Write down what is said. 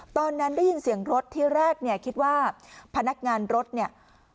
ตอนนั้นได้ยินเสียงรถที่แรกเนี่ยคิดว่าพนักงานรถเนี่ย